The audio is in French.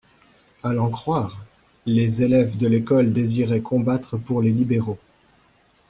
A l'en croire, les élèves de l'École désiraient combattre pour les libéraux.